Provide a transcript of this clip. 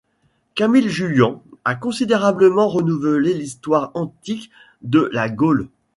Camille Jullian a considérablement renouvelé l’histoire antique de la Gaule.